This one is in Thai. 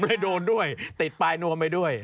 ไม่โดนด้วยติดปลายนวมไปด้วย